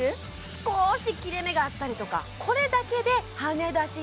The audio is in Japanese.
少し切れ目があったりとかこれだけではねだし